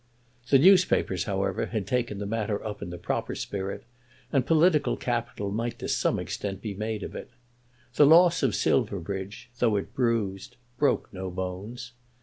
The newspapers, however, had taken that matter up in the proper spirit, and political capital might to some extent be made of it. The loss of Silverbridge, though it bruised, broke no bones.